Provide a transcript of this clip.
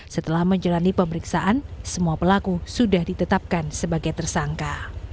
setelah menjalani pemeriksaan semua pelaku sudah ditetapkan sebagai tersangka